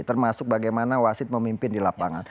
termasuk bagaimana wasit memimpin di lapangan